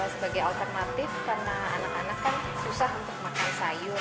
sebagai alternatif karena anak anak kan susah untuk makan sayur